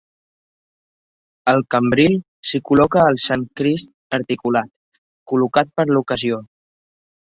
Al cambril s'hi col·loca el Sant Crist articulat, col·locat per l'ocasió.